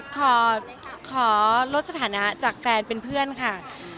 ขอลดสถานะจากแฟนเป็นเพื่อนค่ะ